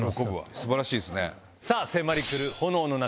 素晴らしいっすね。